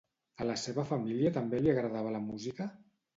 A la seva família també li agradava la música?